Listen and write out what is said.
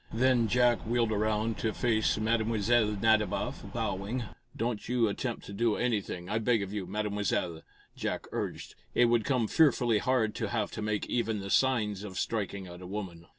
Then Jack wheeled around to face Mlle. Nadiboff, bowing. "Don't you attempt to do anything, I beg of you, Mademoiselle," Jack urged. "It would come fearfully hard to have to make even the signs of striking at a woman."